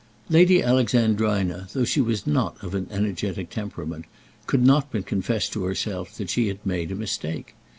Lady Alexandrina, though she was not of an energetic temperament, could not but confess to herself that she had made a mistake.